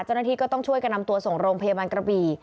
เจ้าหน้าที่ก็ต้องช่วยกันนำตัวส่งโรงพยาบาลกระบี่